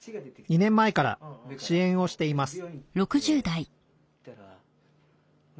２年前から支援をしています